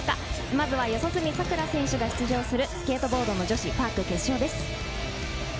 まずは四十住さくら選手が出場するスケートボード女子パーク決勝です。